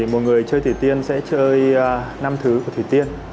một người chơi thủy tiên sẽ chơi năm thứ của thủy tiên